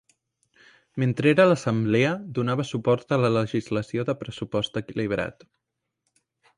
Mentre era a l'assemblea, donava suport a la legislació de pressupost equilibrat.